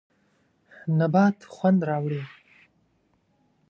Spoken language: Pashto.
نبات خوند راوړي.